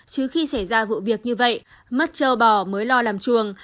chứ khi xảy ra vụ việc như vậy mất châu bò mới lo làm chuồng